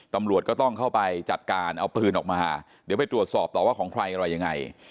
ตำรวจก็ต้องเข้าไปจัดการเอาปืนออกมาเดี๋ยวไปตรวจสอบต่อว่าของใครอะไรยังไง